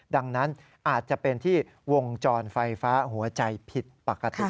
ดังนั้นอาจจะเป็นที่วงจรไฟฟ้าหัวใจผิดปกติ